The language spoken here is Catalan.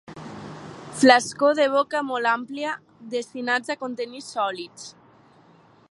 Flascó de boca molt àmplia, destinat a contenir sòlids.